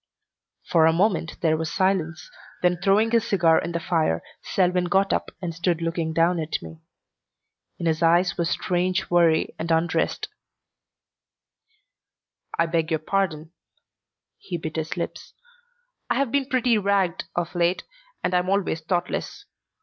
For a moment there was silence, then throwing his cigar in the fire, Selwyn got up and stood looking down at me. In his eyes was strange worry and unrest. "I beg your pardon." He bit his lips. "I've been pretty ragged of late and I'm always thoughtless.